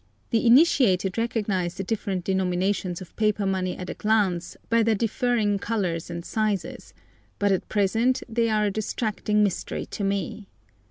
The initiated recognise the different denominations of paper money at a glance by their differing colours and sizes, but at present they are a distracting mystery to me.